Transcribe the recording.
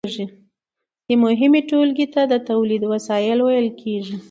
دې مهمې ټولګې ته د تولید وسایل ویل کیږي.